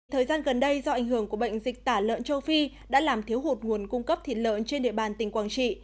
thời gian gần đây do ảnh hưởng của bệnh dịch tả lợn châu phi đã làm thiếu hụt nguồn cung cấp thịt lợn trên địa bàn tỉnh quảng trị